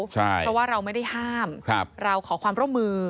เพราะว่าเราไม่ได้ห้ามเราขอความร่วมมือ